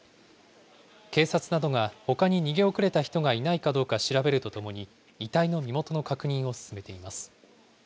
警察などがほかに逃げ遅れた人がいないかどうか調べるとともに、遺体の身元の確認を進めています。